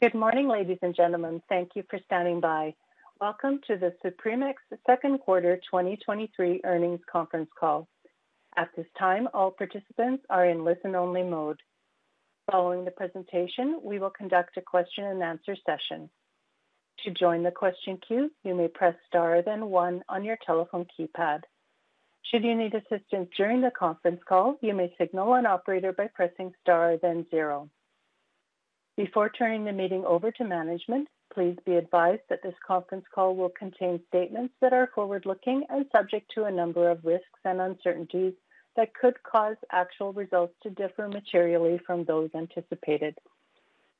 Good morning, ladies and gentlemen. Thank you for standing by. Welcome to the Supremex second quarter 2023 earnings conference call. At this time, all participants are in listen-only mode. Following the presentation, we will conduct a question-and-answer session. To join the question queue, you may press star, then one on your telephone keypad. Should you need assistance during the conference call, you may signal an operator by pressing star, then zero. Before turning the meeting over to management, please be advised that this conference call will contain statements that are forward-looking and subject to a number of risks and uncertainties that could cause actual results to differ materially from those anticipated.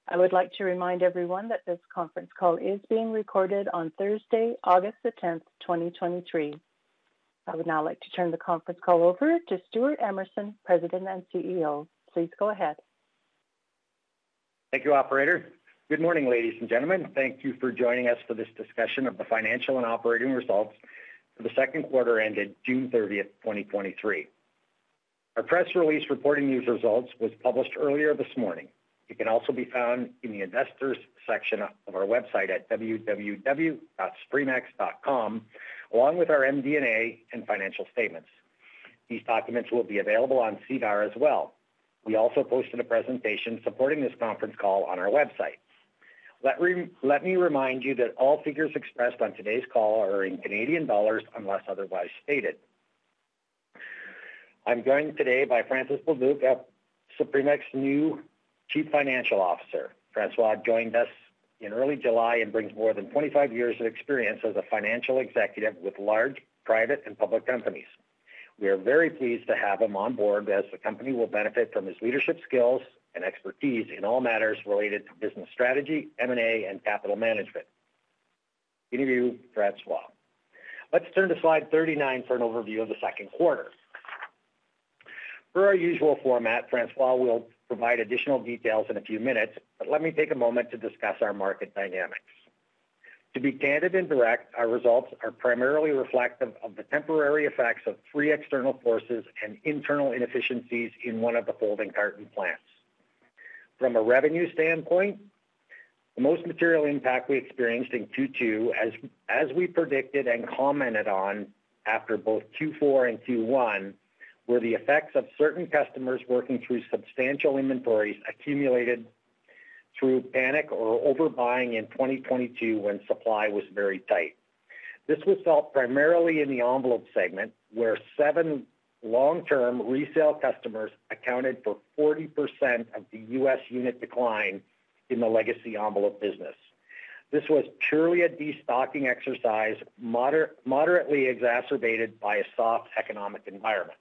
I would like to remind everyone that this conference call is being recorded on Thursday, August the 10th, 2023. I would now like to turn the conference call over to Stewart Emerson, President and CEO. Please go ahead. Thank you, operator. Good morning, ladies and gentlemen. Thank you for joining us for this discussion of the financial and operating results for the second quarter ended June 30th, 2023. Our press release reporting these results was published earlier this morning. It can also be found in the Investors Section of our website at www.supremex.com, along with our MD&A and financial statements. These documents will be available on SEDAR as well. We also posted a presentation supporting this conference call on our website. Let me remind you that all figures expressed on today's call are in Canadian dollars, unless otherwise stated. I'm joined today by François Bélisle, Supremex new Chief Financial Officer. François joined us in early July and brings more than 25 years of experience as a financial executive with large, private, and public companies. We are very pleased to have him on board, as the company will benefit from his leadership skills and expertise in all matters related to business strategy, M&A, and capital management. Over to you, François. Let's turn to Slide 39 for an overview of the second quarter. Per our usual format, François will provide additional details in a few minutes, but let me take a moment to discuss our market dynamics. To be candid and direct, our results are primarily reflective of the temporary effects of three external forces and internal inefficiencies in one of the folding carton plants. From a revenue standpoint, the most material impact we experienced in Q2, as we predicted and commented on after both Q4 and Q1, were the effects of certain customers working through substantial inventories accumulated through panic or overbuying in 2022 when supply was very tight. This was felt primarily in the Envelope Segment, where seven long-term resale customers accounted for 40% of the U.S. unit decline in the Legacy Envelope business. This was purely a destocking exercise, moderately exacerbated by a soft economic environment.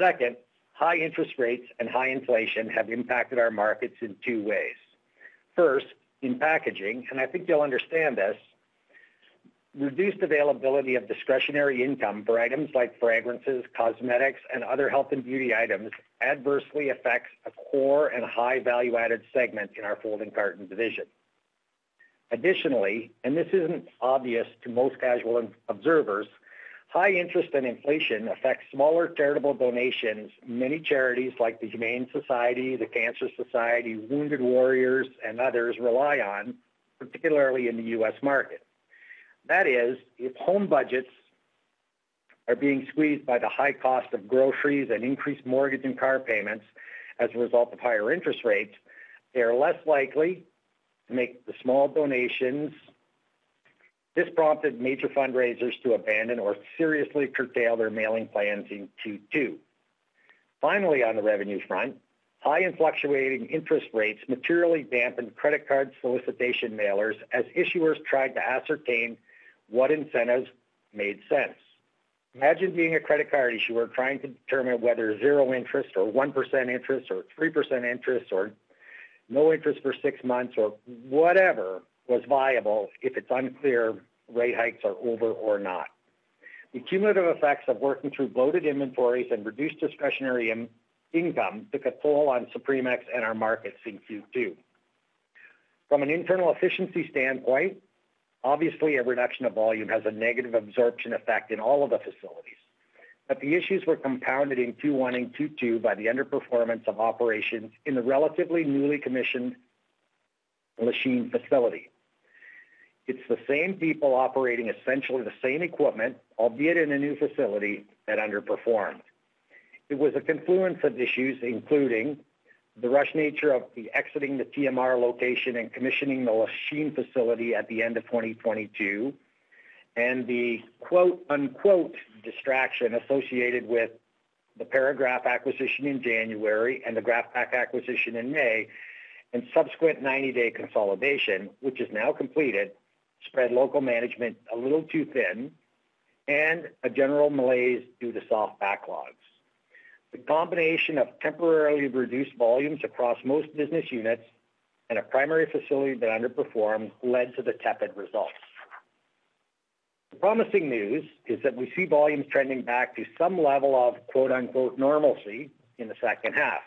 Second, high interest rates and high inflation have impacted our markets in two ways. First, in packaging, and I think you'll understand this, reduced availability of discretionary income for items like fragrances, cosmetics, and other health and beauty items adversely affects a core and high value-added segment in our folding carton division. Additionally, and this isn't obvious to most casual observers, high interest and inflation affects smaller charitable donations many charities like the Humane Society, the Cancer Society, Wounded Warriors, and others rely on, particularly in the US market. That is, if home budgets are being squeezed by the high cost of groceries and increased mortgage and car payments as a result of higher interest rates, they are less likely to make the small donations. This prompted major fundraisers to abandon or seriously curtail their mailing plans in Q2. Finally, on the revenue front, high and fluctuating interest rates materially dampened credit card solicitation mailers as issuers tried to ascertain what incentives made sense. Imagine being a credit card issuer trying to determine whether zero interest or 1% interest, or 3% interest, or no interest for 6 months, or whatever was viable, if it's unclear rate hikes are over or not. The cumulative effects of working through bloated inventories and reduced discretionary income took a toll on Supremex and our markets in Q2. From an internal efficiency standpoint, obviously, a reduction of volume has a negative absorption effect in all of the facilities, but the issues were compounded in Q1 and Q2 by the underperformance of operations in the relatively newly commissioned Lachine facility. It's the same people operating essentially the same equipment, albeit in a new facility, that underperformed. It was a confluence of issues, including the rush nature of the exiting the TMR location and commissioning the Lachine facility at the end of 2022, and the, "distraction" associated with the Paragraph acquisition in January and the Graf-Pak acquisition in May, and subsequent 90-day consolidation, which is now completed, spread local management a little too thin and a general malaise due to soft backlogs. The combination of temporarily reduced volumes across most business units and a primary facility that underperformed led to the tepid results. The promising news is that we see volumes trending back to some level of, "normalcy" in the second half.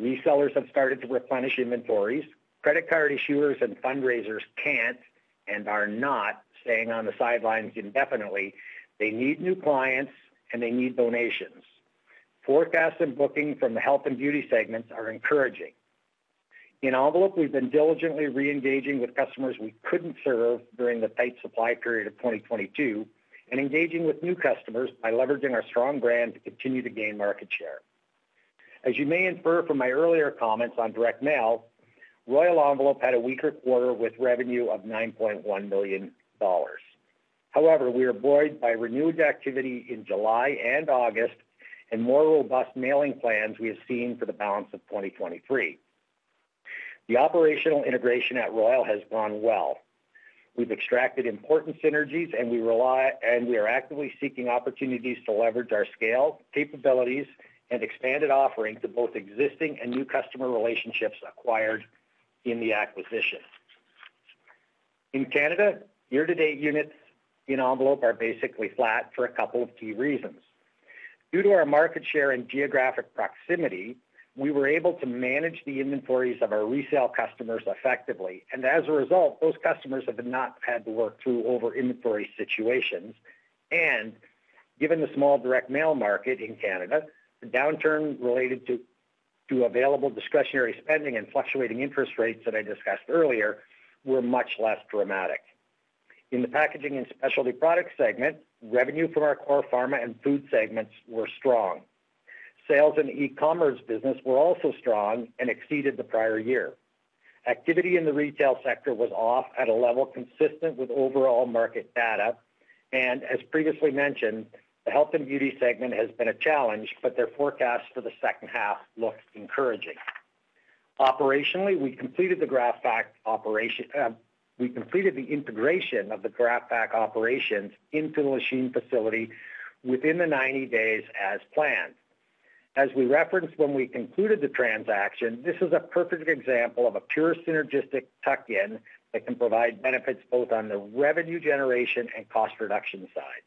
Resellers have started to replenish inventories. Credit card issuers and fundraisers can't and are not staying on the sidelines indefinitely. They need new clients, and they need donations. Forecasts and booking from the health and beauty segments are encouraging. In Envelope, we've been diligently reengaging with customers we couldn't serve during the tight supply period of 2022, and engaging with new customers by leveraging our strong brand to continue to gain market share. As you may infer from my earlier comments on direct mail, Royal Envelope had a weaker quarter with revenue of 9.1 million dollars. We are buoyed by renewed activity in July and August, and more robust mailing plans we have seen for the balance of 2023. The operational integration at Royal Envelope has gone well. We've extracted important synergies, and we are actively seeking opportunities to leverage our scale, capabilities, and expanded offerings to both existing and new customer relationships acquired in the acquisition. In Canada, year-to-date units in Envelope are basically flat for a couple of key reasons. Due to our market share and geographic proximity, we were able to manage the inventories of our resale customers effectively, and as a result, those customers have not had to work through over inventory situations. Given the small direct mail market in Canada, the downturn related to available discretionary spending and fluctuating interest rates that I discussed earlier, were much less dramatic. In the packaging and specialty products segment, revenue from our core pharma and food segments were strong. Sales and e-commerce business were also strong and exceeded the prior year. Activity in the retail sector was off at a level consistent with overall market data. As previously mentioned, the Health and Beauty Segment has been a challenge, but their forecast for the second half looks encouraging. Operationally, we completed the Graf-Pak operation, we completed the integration of the Graf-Pak operations into the Lachine facility within 90 days as planned. As we referenced when we concluded the transaction, this is a perfect example of a pure synergistic tuck-in that can provide benefits both on the revenue generation and cost reduction side.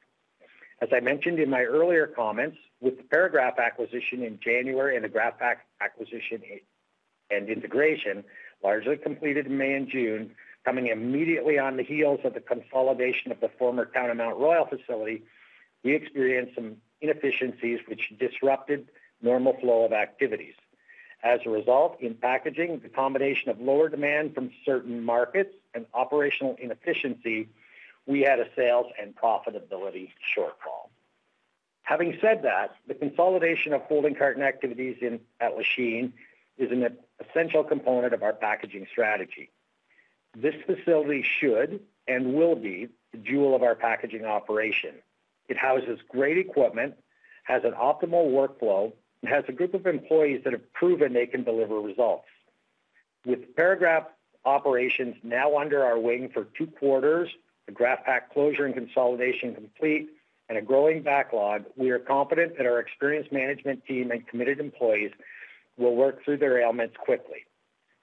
As I mentioned in my earlier comments, with the Paragraph acquisition in January and the Graf-Pak acquisition and integration, largely completed in May and June, coming immediately on the heels of the consolidation of the former Town of Mount Royal facility, we experienced some inefficiencies which disrupted normal flow of activities. As a result, in packaging, the combination of lower demand from certain markets and operational inefficiency, we had a sales and profitability shortfall. Having said that, the consolidation of folding carton activities at Lachine is an essential component of our packaging strategy. This facility should and will be the jewel of our packaging operation. It houses great equipment, has an optimal workflow, and has a group of employees that have proven they can deliver results. With Paragraph operations now under our wing for two quarters, the Graf-Pak closure and consolidation complete, and a growing backlog, we are confident that our experienced management team and committed employees will work through their ailments quickly.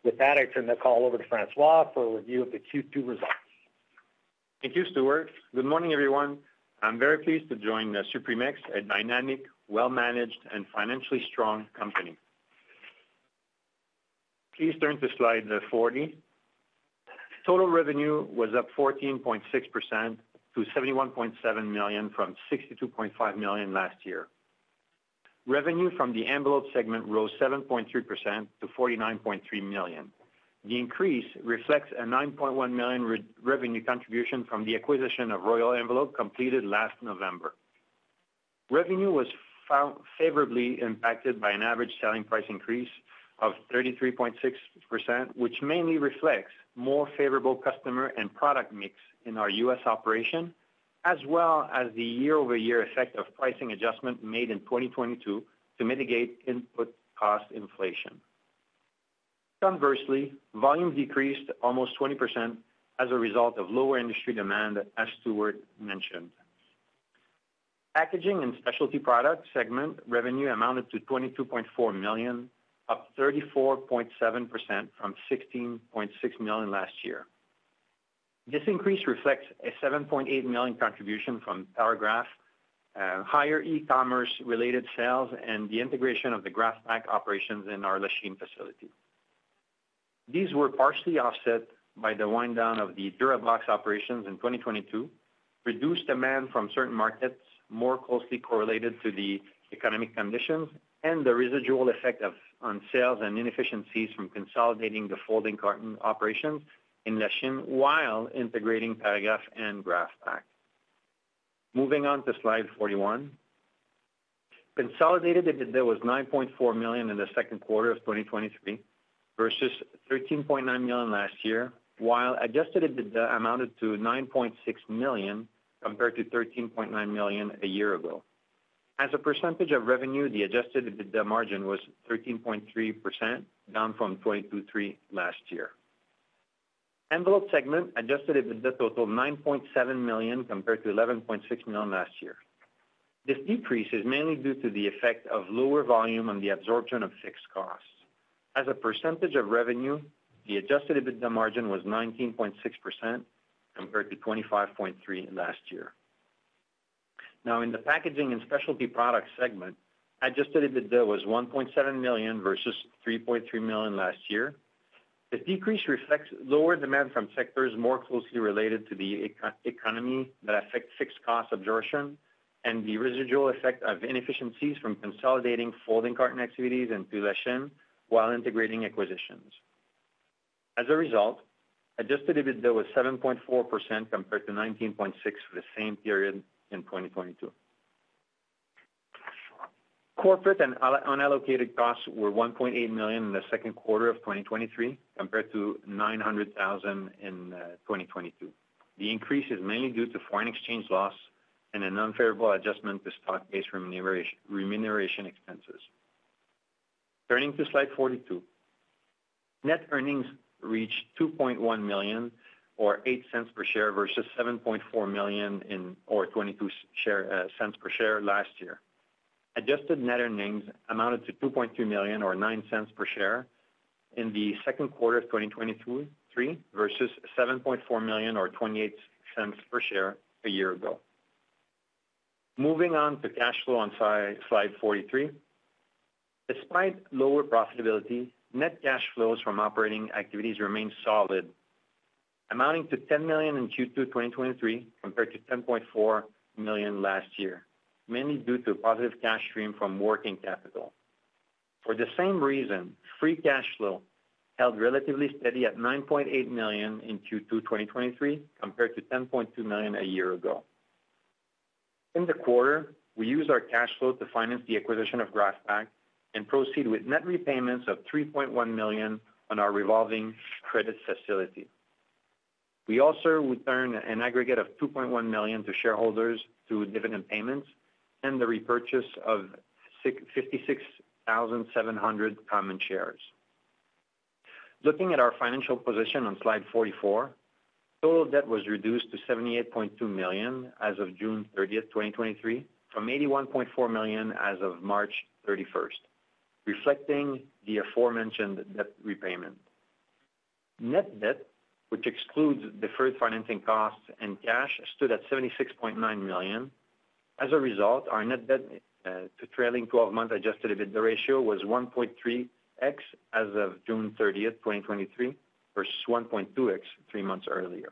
With that, I turn the call over to François for a review of the Q2 results. Thank you, Stewart. Good morning, everyone. I'm very pleased to join the Supremex, a dynamic, well-managed, and financially strong company. Please turn to Slide 40. Total revenue was up 14.6% to 71.7 million, from 62.5 million last year. Revenue from the Envelope Segment rose 7.3% to 49.3 million. The increase reflects a 9.1 million revenue contribution from the acquisition of Royal Envelope, completed last November. Revenue was favorably impacted by an average selling price increase of 33.6%, which mainly reflects more favorable customer and product mix in our U.S. operation, as well as the year-over-year effect of pricing adjustment made in 2022 to mitigate input cost inflation. Conversely, volumes decreased almost 20% as a result of lower industry demand, as Stewart mentioned. Packaging and Specialty Product Segment revenue amounted to 22.4 million, up 34.7% from 16.6 million last year. This increase reflects a 7.8 million contribution from Paragraph, higher e-commerce-related sales, and the integration of the Graf-Pak operations in our Lachine facility. These were partially offset by the wind down of the Durabox operations in 2022, reduced demand from certain markets more closely correlated to the economic conditions, and the residual effect on sales and inefficiencies from consolidating the folding carton operations in Lachine, while integrating Paragraph and Graf-Pak. Moving on to Slide 41. Consolidated EBITDA was 9.4 million in the second quarter of 2023, versus 13.9 million last year, while Adjusted EBITDA amounted to 9.6 million, compared to 13.9 million a year ago. As a percentage of revenue, the Adjusted EBITDA margin was 13.3%, down from 22.3% last year. Envelope Segment, Adjusted EBITDA totaled 9.7 million, compared to 11.6 million last year. This decrease is mainly due to the effect of lower volume on the absorption of fixed costs. As a percentage of revenue, the Adjusted EBITDA margin was 19.6%, compared to 25.3% last year. In the packaging and specialty products segment, Adjusted EBITDA was 1.7 million versus 3.3 million last year. The decrease reflects lower demand from sectors more closely related to the eco- economy that affect fixed cost absorption and the residual effect of inefficiencies from consolidating folding carton activities in Lachine, while integrating acquisitions. As a result, Adjusted EBITDA was 7.4% compared to 19.6% for the same period in 2022. Corporate and unallocated costs were 1.8 million in the second quarter of 2023, compared to 900,000 in 2022. The increase is mainly due to foreign exchange loss and an unfavorable adjustment to stock-based remuneration expenses. Turning to Slide 42. Net earnings reached 2.1 million, or 0.08 per share, versus 7.4 million in, or 0.22 per share last year. Adjusted net earnings amounted to 2.2 million or 0.09 per share in the second quarter of 2022, 3, versus 7.4 million or 0.28 per share a year ago. Moving on to cash flow on Slide 43. Despite lower profitability, net cash flows from operating activities remain solid, amounting to 10 million in Q2 2023, compared to 10.4 million last year, mainly due to positive cash stream from working capital. For the same reason, free cash flow held relatively steady at 9.8 million in Q2 2023, compared to 10.2 million a year ago. In the quarter, we used our cash flow to finance the acquisition of Graf-Pak and proceed with net repayments of 3.1 million on our revolving credit facility. We also returned an aggregate of 2.1 million to shareholders through dividend payments and the repurchase of 656,700 common shares. Looking at our financial position on Slide 44, total debt was reduced to 78.2 million as of June 30th, 2023, from 81.4 million as of March 31st, reflecting the aforementioned debt repayment. net debt, which excludes deferred financing costs and cash, stood at 76.9 million. As a result, our net debt to trailing twelve-month adjusted EBITDA ratio was 1.3x as of June 30th, 2023, versus 1.2x three months earlier.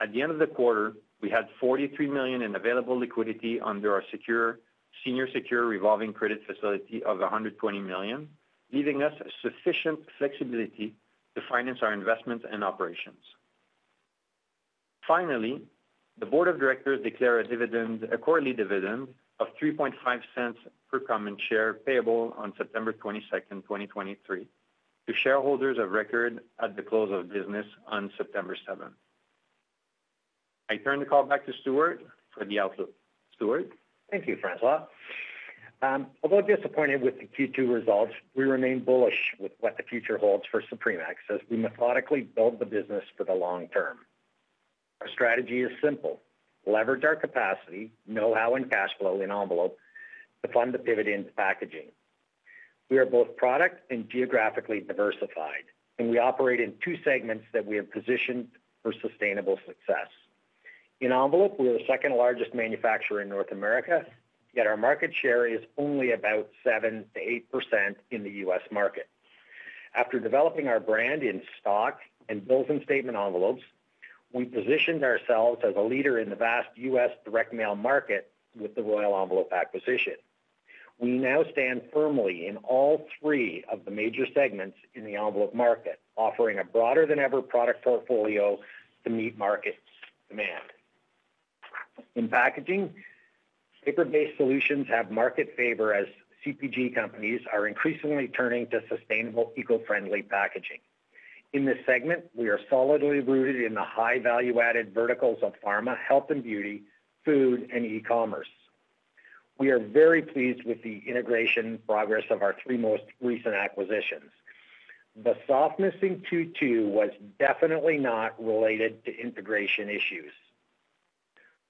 At the end of the quarter, we had 43 million in available liquidity under our secure, senior secure revolving credit facility of 120 million, leaving us sufficient flexibility to finance our investments and operations. Finally, the board of directors declare a dividend, a quarterly dividend of 0.035 per common share, payable on September 22, 2023, to shareholders of record at the close of business on September 7. I turn the call back to Stewart for the outlook. Stewart? Thank you, François. Although disappointed with the Q2 results, we remain bullish with what the future holds for Supremex as we methodically build the business for the long term. Our strategy is simple: leverage our capacity, know-how and cash flow in Envelope to fund the pivot into packaging. We are both product and geographically diversified, and we operate in two segments that we have positioned for sustainable success. In Envelope, we are the second-largest manufacturer in North America, yet our market share is only about 7%-8% in the U.S. market. After developing our brand in stock and bills and statement envelopes, we positioned ourselves as a leader in the vast U.S. direct mail market with the Royal Envelope acquisition. We now stand firmly in all three of the major segments in the Envelope market, offering a broader than ever product portfolio to meet market's demand. In packaging, paper-based solutions have market favor as CPG companies are increasingly turning to sustainable, eco-friendly packaging. In this segment, we are solidly rooted in the high value-added verticals of pharma, health and beauty, food, and e-commerce. We are very pleased with the integration progress of our three most recent acquisitions. The softness in Q2 was definitely not related to integration issues.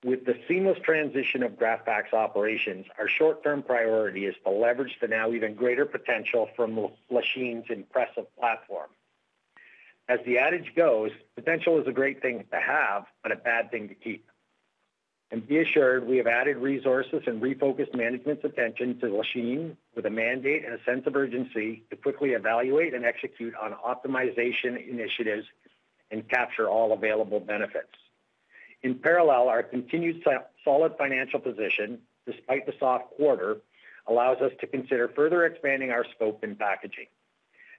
With the seamless transition of Graf-Pak operations, our short-term priority is to leverage the now even greater potential from Lachine's impressive platform. As the adage goes, potential is a great thing to have, but a bad thing to keep. Be assured, we have added resources and refocused management's attention to Lachine with a mandate and a sense of urgency to quickly evaluate and execute on optimization initiatives and capture all available benefits. In parallel, our continued solid financial position, despite the soft quarter, allows us to consider further expanding our scope in packaging.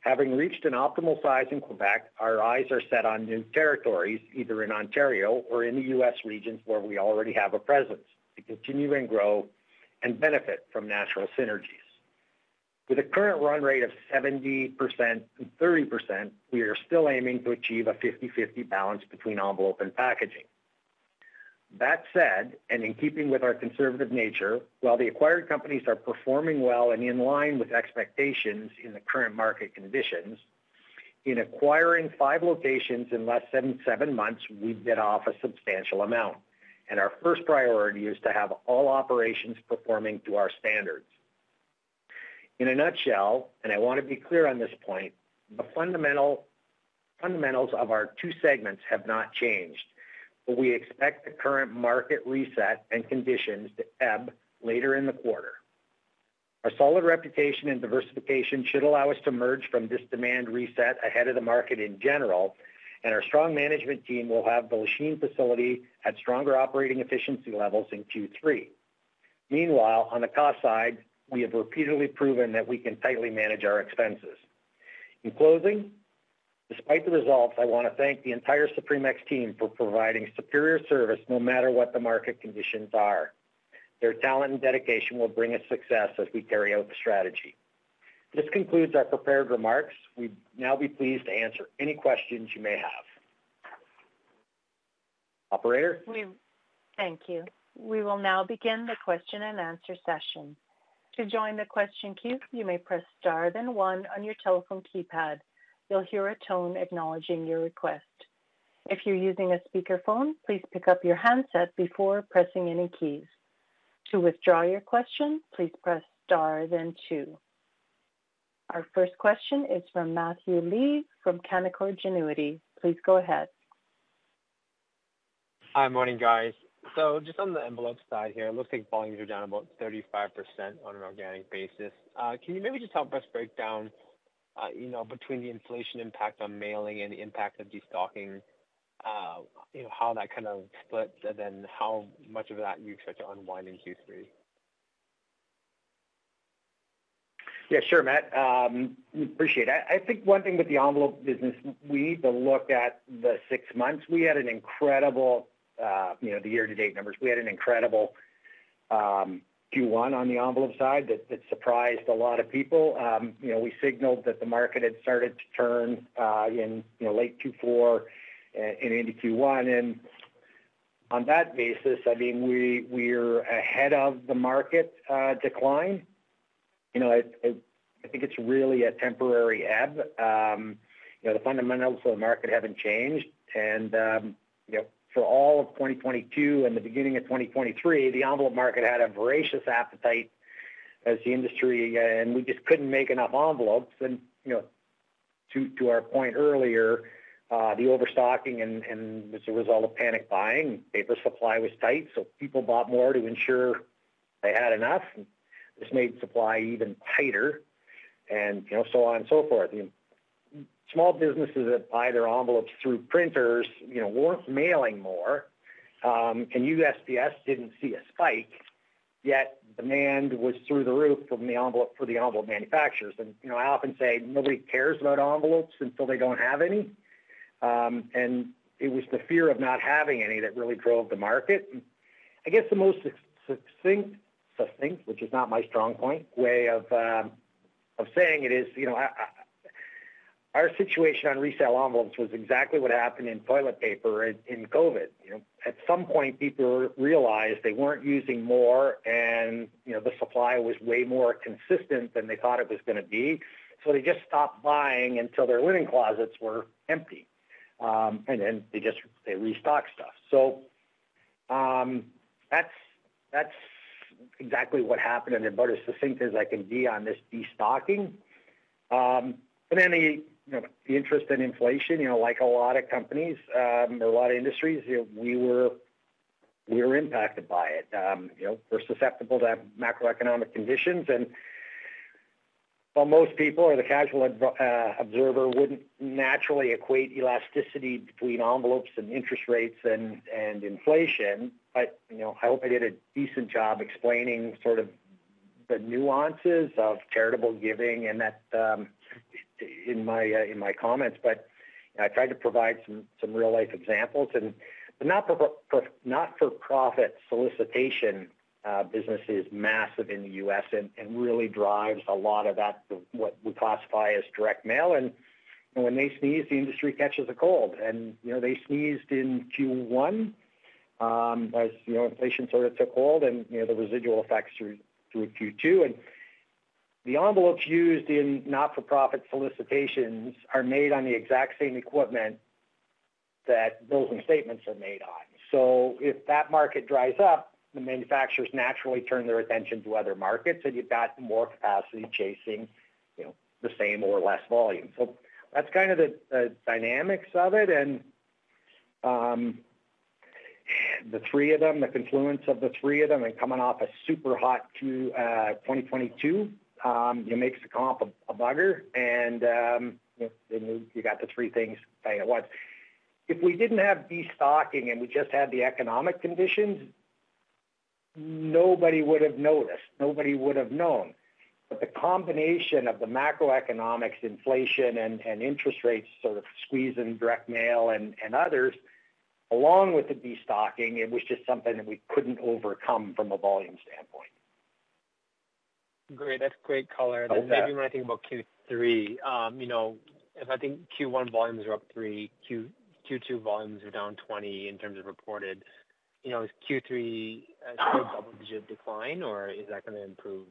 Having reached an optimal size in Quebec, our eyes are set on new territories, either in Ontario or in the U.S. regions where we already have a presence, to continue and grow and benefit from natural synergies. With a current run rate of 70% and 30%, we are still aiming to achieve a 50/50 balance between Envelope and Packaging. That said, and in keeping with our conservative nature, while the acquired companies are performing well and in line with expectations in the current market conditions, in acquiring five locations in less than seven months, we bit off a substantial amount, and our first priority is to have all operations performing to our standards. In a nutshell, and I want to be clear on this point, the fundamentals of our two segments have not changed. We expect the current market reset and conditions to ebb later in the quarter. Our solid reputation and diversification should allow us to merge from this demand reset ahead of the market in general, and our strong management team will have the Lachine facility at stronger operating efficiency levels in Q3. Meanwhile, on the cost side, we have repeatedly proven that we can tightly manage our expenses. In closing, despite the results, I want to thank the entire Supremex team for providing superior service no matter what the market conditions are. Their talent and dedication will bring us success as we carry out the strategy. This concludes our prepared remarks. We'd now be pleased to answer any questions you may have. Operator? Thank you. We will now begin the question and answer session. To join the question queue, you may press star, then one on your telephone keypad. You'll hear a tone acknowledging your request. If you're using a speakerphone, please pick up your handset before pressing any keys. To withdraw your question, please press star, then two. Our first question is from Matthew Lee from Canaccord Genuity. Please go ahead. Hi, morning, guys. Just on the Envelope side here, it looks like volumes are down about 35% on an organic basis. Can you maybe just help us break down, you know, between the inflation impact on mailing and the impact of destocking, you know, how that kind of splits, and then how much of that you expect to unwind in Q3? Yeah, sure, Matt. Appreciate that. I think one thing with the Envelope business, we need to look at the six months. We had an incredible, you know, the year-to-date numbers. We had an incredible Q1 on the Envelope side that, that surprised a lot of people. You know, we signaled that the market had started to turn in, you know, late Q4 and, and into Q1. On that basis, I mean, we, we're ahead of the market decline. You know, I think it's really a temporary ebb. You know, the fundamentals of the market haven't changed. You know, for all of 2022 and the beginning of 2023, the Envelope market had a voracious appetite as the industry, and we just couldn't make enough envelopes. You know to our point earlier, the overstocking and, and as a result of panic buying, paper supply was tight, so people bought more to ensure they had enough, and this made supply even tighter and, you know, so on and so forth. Small businesses that buy their envelopes through printers, you know, weren't mailing more, and USPS didn't see a spike, yet demand was through the roof for the Envelope manufacturers. You know, I often say nobody cares about envelopes until they don't have any. It was the fear of not having any that really drove the market. I guess the most succinct, which is not my strong point, way of saying it is, you know, our situation on resale envelopes was exactly what happened in toilet paper in, in COVID. You know, at some point, people realized they weren't using more, and, you know, the supply was way more consistent than they thought it was gonna be. They just stopped buying until their linen closets were empty. Then they restocked stuff. That's, that's exactly what happened, and about as succinct as I can be on this destocking. Then the, you know, the interest in inflation, you know, like a lot of companies, a lot of industries, you know, we were, we were impacted by it. You know, we're susceptible to macroeconomic conditions, and while most people or the casual observer wouldn't naturally equate elasticity between envelopes and interest rates and inflation, you know, I hope I did a decent job explaining sort of the nuances of charitable giving and that, in my comments. I tried to provide some, some real-life examples, and the not-for-profit solicitation business is massive in the U.S. and really drives a lot of that, what we classify as direct mail. When they sneeze, the industry catches a cold, and, you know, they sneezed in Q1, as, you know, inflation sort of took hold and, you know, the residual effects through, through Q2. The envelopes used in not-for-profit solicitations are made on the exact same equipment that bills and statements are made on. If that market dries up, the manufacturers naturally turn their attention to other markets, and you've got more capacity chasing, you know, the same or less volume. That's kind of the, the dynamics of it. The three of them, the confluence of the three of them, and coming off a super hot 2022, it makes the comp a, a bugger, and, you know, you got the three things playing at once. If we didn't have destocking and we just had the economic conditions, nobody would have noticed. Nobody would have known. The combination of the macroeconomics, inflation and, and interest rates sort of squeezing direct mail and, and others, along with the destocking, it was just something that we couldn't overcome from a volume standpoint. Great. That's great color. Oh, yeah. Maybe when I think about Q3, you know, if I think Q1 volumes are up 3, Q2 volumes are down 20 in terms of reported, you know, is Q3 a double-digit decline, or is that gonna improve,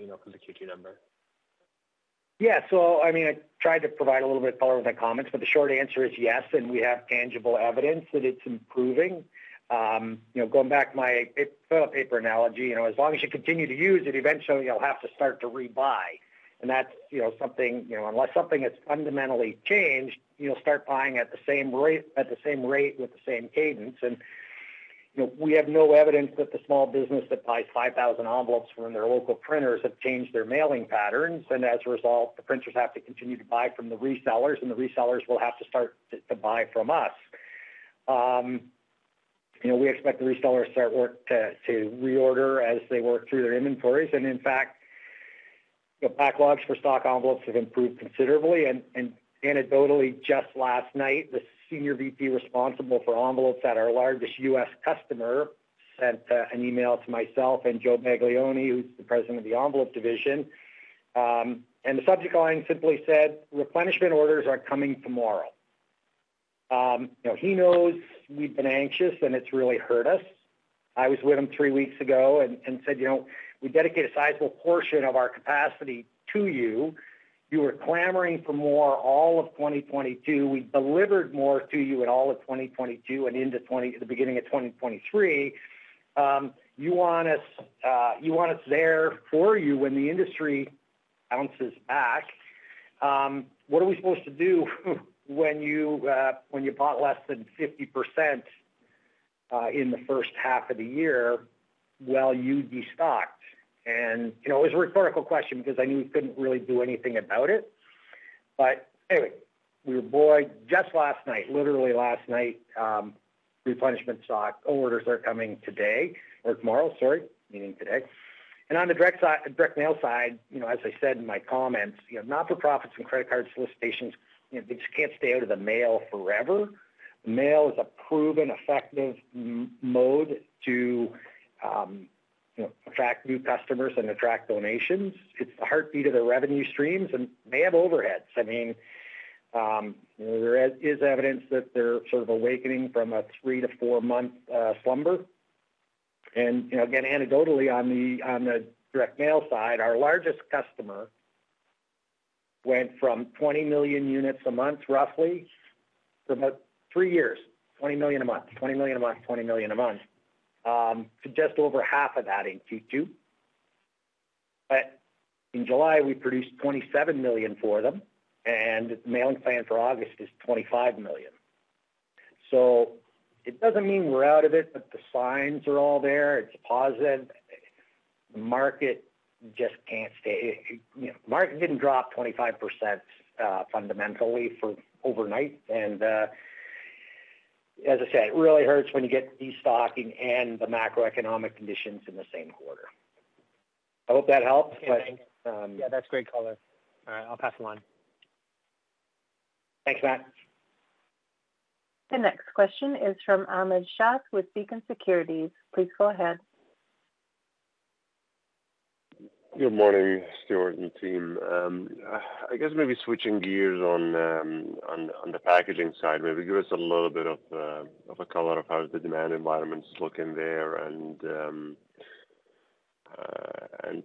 you know, from the Q2 number? Yeah. I mean, I tried to provide a little bit of color with my comments, but the short answer is yes, and we have tangible evidence that it's improving. You know, going back to my toilet paper analogy, you know, as long as you continue to use it, eventually you'll have to start to rebuy. That's, you know, something, you know, unless something has fundamentally changed, you'll start buying at the same rate, at the same rate with the same cadence. You know, we have no evidence that the small business that buys 5,000 envelopes from their local printers have changed their mailing patterns, and as a result, the printers have to continue to buy from the resellers, and the resellers will have to start to, to buy from us. You know, we expect the resellers to start work to, to reorder as they work through their inventories. And in fact, the backlogs for stock envelopes have improved considerably. And, and anecdotally, just last night, the Senior VP responsible for envelopes at our largest U.S. customer sent an email to myself and Joe Baglione, who's the President of the Envelope Division. And the subject line simply said: Replenishment orders are coming tomorrow. You know, he knows we've been anxious, and it's really hurt us. I was with him three weeks ago and, and said: "You know, we dedicate a sizable portion of our capacity to you. You were clamoring for more all of 2022. We delivered more to you in all of 2022 and into the beginning of 2023. You want us there for you when the industry bounces back. What are we supposed to do when you, when you bought less than 50% in the first half of the year while you destocked?" You know, it was a rhetorical question because I knew he couldn't really do anything about it. Anyway, we were buoyed just last night, literally last night, replenishment stock orders are coming today or tomorrow, sorry, meaning today. On the direct mail side, you know, as I said in my comments, you know, not-for-profits and credit card solicitations, you know, they just can't stay out of the mail forever. Mail is a proven, effective m-mode to, you know, attract new customers and attract donations. It's the heartbeat of their revenue streams, and they have overheads. I mean, there is, is evidence that they're sort of awakening from a three-to-four-month slumber. You know, again, anecdotally, on the direct mail side, our largest customer went from 20 million units a month, roughly, for about three years, 20 million a month, to just over half of that in Q2. In July, we produced 27 million for them, and the mailing plan for August is 25 million. It doesn't mean we're out of it, but the signs are all there. It's positive. The market just can't stay, you know, market didn't drop 25%, fundamentally for overnight. As I said, it really hurts when you get destocking and the macroeconomic conditions in the same quarter. I hope that helps, but. Yeah, that's great color. All right, I'll pass the line. Thanks, Matt. The next question is from Ahmad Shaath with Beacon Securities. Please go ahead. Good morning, Stewart and team. I guess maybe switching gears on the packaging side, maybe give us a little bit of a color of how the demand environment is looking there,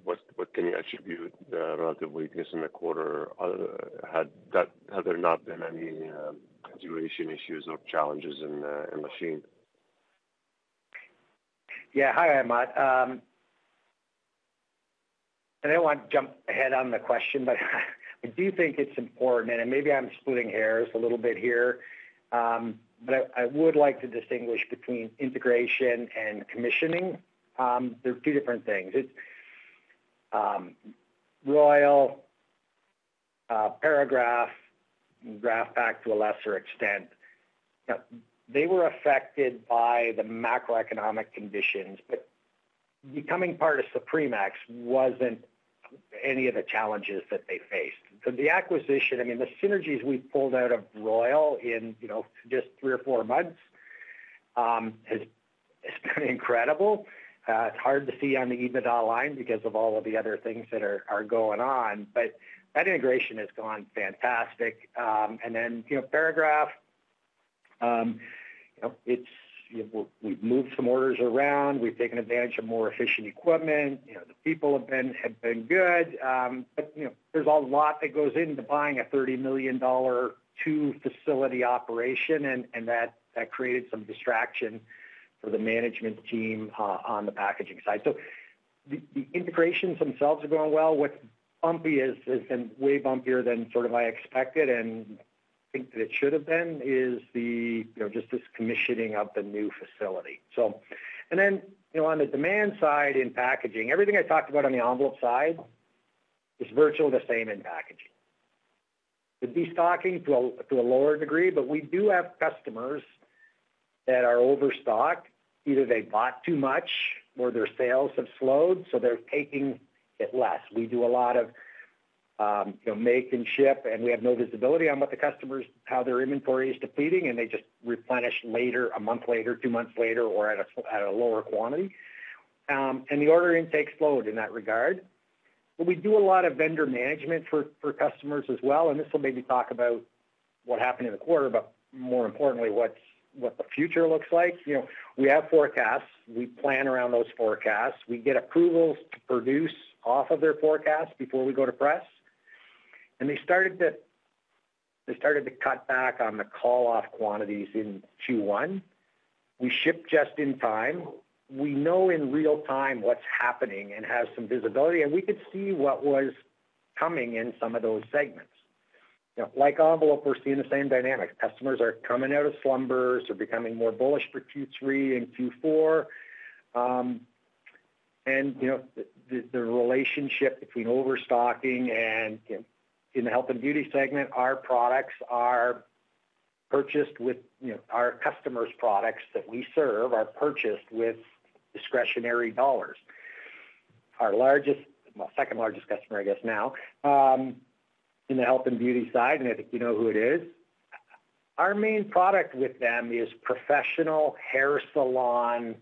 what can you attribute the relative weakness in the quarter? Had there not been any integration issues or challenges in Lachine? Yeah. Hi, Ahmad. I don't want to jump ahead on the question, but I do think it's important, and maybe I'm splitting hairs a little bit here. I, I would like to distinguish between integration and commissioning. They're two different things. It's Royal, Paragraph, Graf-Pak to a lesser extent. You know, they were affected by the macroeconomic conditions, but becoming part of Supremex wasn't any of the challenges that they faced. The acquisition, I mean, the synergies we pulled out of Royal in, you know, just three or four months, has been incredible. It's hard to see on the EBITDA line because of all of the other things that are, are going on, but that integration has gone fantastic. Then, you know, Paragraph, you know, we've, we've moved some orders around. We've taken advantage of more efficient equipment. You know, the people have been, have been good. You know, there's a lot that goes into buying a 30 million dollar two-facility operation, and, and that, that created some distraction for the management team on the packaging side. The integrations themselves are going well. What's bumpy has, has been way bumpier than sort of I expected, and I think that it should have been, is the, you know, just this commissioning of the new facility. You know, on the demand side, in packaging, everything I talked about on the Envelope side is virtually the same in packaging. The destocking to a lower degree, but we do have customers that are overstocked. Either they bought too much or their sales have slowed, so they're taking it less. We do a lot of, you know, make and ship, and we have no visibility on what the customers, how their inventory is depleting, and they just replenish later, a month later, two months later, or at a lower quantity. The order intake slowed in that regard. We do a lot of vendor management for, for customers as well, and this will maybe talk about what happened in the quarter, but more importantly, what the future looks like. You know, we have forecasts. We plan around those forecasts. We get approvals to produce off of their forecasts before we go to press, and they started to cut back on the call-off quantities in Q1. We ship just in time. We know in real time what's happening and have some visibility, and we could see what was coming in some of those segments. You know, like Envelope, we're seeing the same dynamics. Customers are coming out of slumbers, they're becoming more bullish for Q3 and Q4. You know, the relationship between overstocking and in the Health and Beauty Segment, our products are purchased with, you know, our customers' products that we serve, are purchased with discretionary dollars. Our largest, well, second largest customer, I guess now, in the health and beauty side, and I think you know who it is. Our main product with them is professional hair salon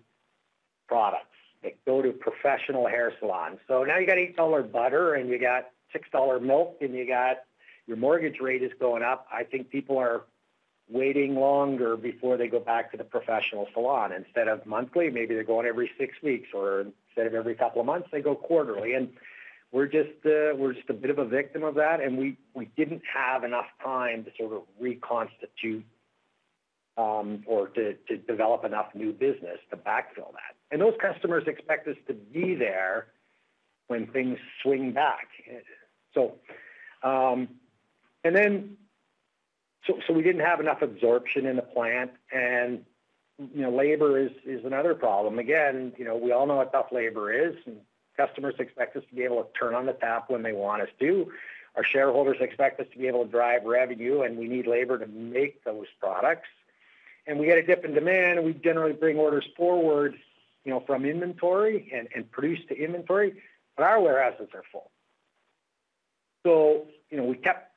products that go to professional hair salons. Now you got 8 dollar butter, and you got 6 dollar milk, and you got your mortgage rate is going up. I think people are waiting longer before they go back to the professional salon. Instead of monthly, maybe they're going every six weeks, or instead of every couple of months, they go quarterly. We're just, we're just a bit of a victim of that, and we, we didn't have enough time to sort of reconstitute, or to develop enough new business to backfill that. Those customers expect us to be there when things swing back. We didn't have enough absorption in the plant, and, you know, labor is, is another problem. Again, you know, we all know how tough labor is, and customers expect us to be able to turn on the tap when they want us to. Our shareholders expect us to be able to drive revenue, and we need labor to make those products. We get a dip in demand, and we generally bring orders forward, you know, from inventory and, and produce to inventory, but our warehouses are full. You know, we kept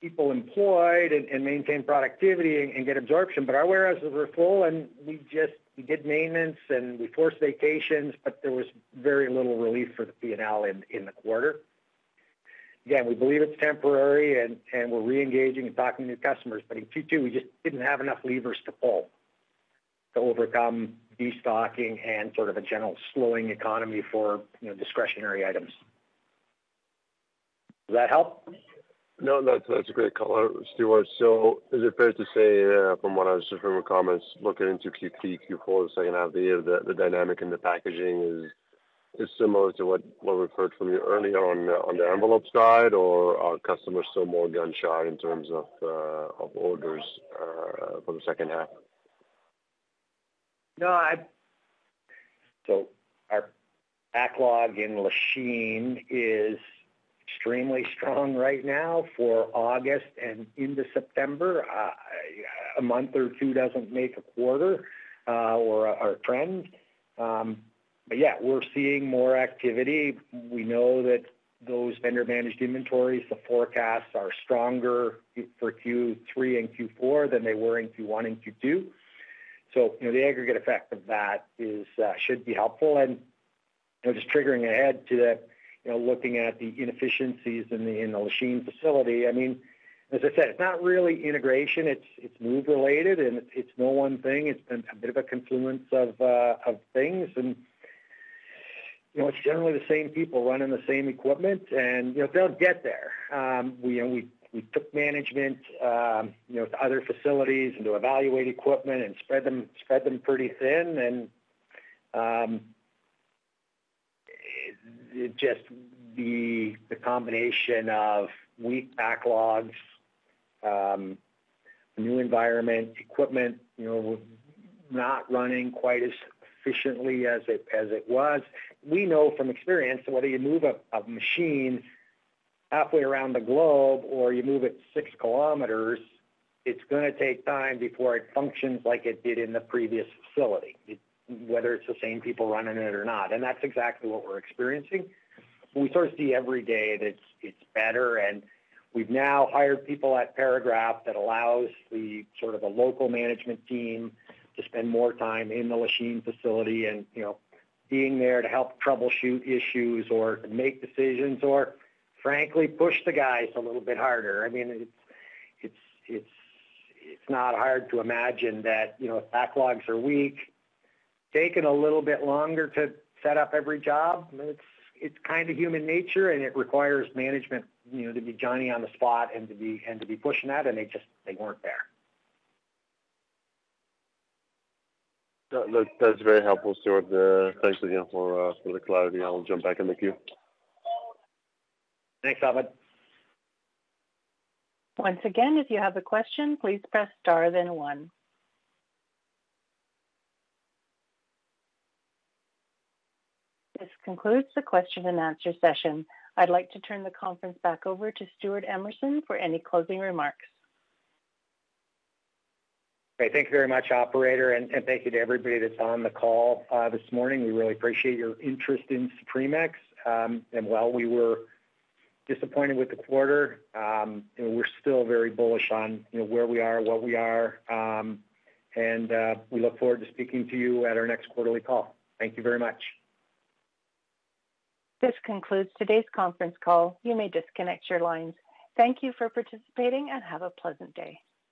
people employed and, and maintain productivity and, and get absorption, but our warehouses were full, and we just, we did maintenance, and we forced vacations, but there was very little relief for the P&L in the quarter. Again, we believe it's temporary, and, and we're reengaging and talking to customers, but in Q2, we just didn't have enough levers to pull to overcome destocking and sort of a general slowing economy for, you know, discretionary items. Does that help? No, that's, that's a great color, Stuart. Is it fair to say, from what I was just from your comments, looking into Q3, Q4, the second half of the year, the, the dynamic in the packaging is similar to what, what we've heard from you earlier on the, on the Envelope side, or are customers still more gun-shy in terms of orders for the second half? So our backlog in Lachine is extremely strong right now for August and into September. A month or two doesn't make a quarter or a trend. Yeah, we're seeing more activity. We know that those vendor-managed inventories, the forecasts are stronger for Q3 and Q4 than they were in Q1 and Q2. You know, the aggregate effect of that is should be helpful. You know, just triggering ahead to that, you know, looking at the inefficiencies in the, in the Lachine facility, I mean, as I said, it's not really integration, it's move-related, and it's no one thing. It's been a bit of a confluence of things. You know, it's generally the same people running the same equipment, and, you know, they'll get there. We took management, you know, to other facilities and to evaluate equipment and spread them, spread them pretty thin. It just, the combination of weak backlogs, new environment, equipment, you know, not running quite as efficiently as it, as it was. We know from experience that whether you move a, a machine halfway around the globe or you move it 6 km, it's gonna take time before it functions like it did in the previous facility, whether it's the same people running it or not, and that's exactly what we're experiencing. We sort of see every day that it's better, and we've now hired people at Paragraph that allows the sort of a local management team to spend more time in the Lachine facility and, you know, being there to help troubleshoot issues or to make decisions, or frankly, push the guys a little bit harder. I mean, it's not hard to imagine that, you know, backlogs are weak, taking a little bit longer to set up every job. It's kind of human nature, and it requires management, you know, to be Johnny on the spot and to be pushing that, and they just, they weren't there. That's very helpful, Stuart. Thanks again for the clarity. I'll jump back in the queue. Thanks, Ahmad. Once again, if you have a question, please press star, then one. This concludes the question and answer session. I'd like to turn the conference back over to Stewart Emerson for any closing remarks. Great. Thank you very much, operator, and thank you to everybody that's on the call this morning. We really appreciate your interest in Supremex. While we were disappointed with the quarter, you know, we're still very bullish on, you know, where we are, what we are, and we look forward to speaking to you at our next quarterly call. Thank you very much. This concludes today's conference call. You may disconnect your lines. Thank you for participating and have a pleasant day.